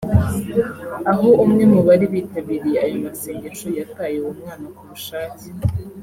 aho umwe mu bari bitabiriye ayo masengesho yataye uwo mwana ku bushake